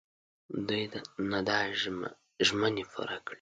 دوی نه دا ژمني پوره کړي.